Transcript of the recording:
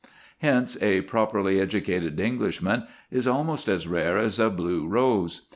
Hence a properly educated Englishman is almost as rare as a blue rose.